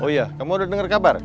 oh iya kamu udah dengar kabar